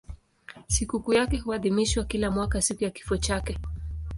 Sikukuu yake huadhimishwa kila mwaka siku ya kifo chake.